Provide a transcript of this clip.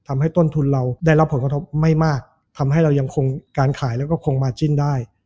ทำให้ต้นทุนเราได้รับผลกระทบไม่มากทำให้เรายังคงการขายแล้วก็คงมาจิ้นได้